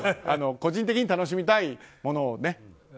個人的に楽しみたいものをね。